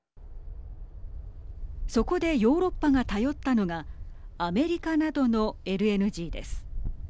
そこでヨーロッパが頼ったのがアメリカなどのＬＮＧです。